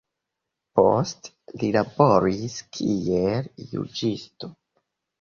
Poste li laboris kiel juĝisto.